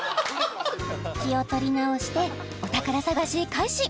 気を取り直してお宝探し開始